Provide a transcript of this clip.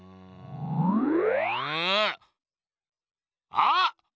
あっ！